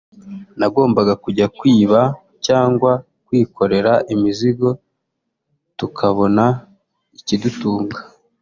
nagombaga kujya kwiba cyangwa kwikorera imizigo tukabona ikidutunga